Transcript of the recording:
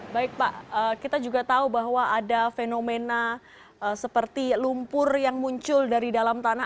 baik pak kita juga tahu bahwa ada fenomena seperti lumpur yang muncul dari dalam tanah